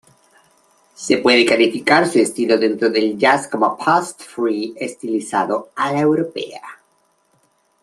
Se puede calificar su estilo dentro del jazz como post-free estilizado "a la europea".